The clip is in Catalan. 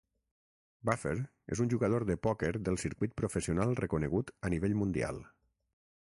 Buffer és un jugador de pòquer del circuit professional reconegut a nivell mundial.